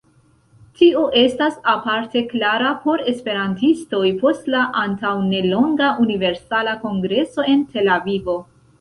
Tio estas aparte klara por esperantistoj post la antaŭnelonga Universala Kongreso en Tel-Avivo.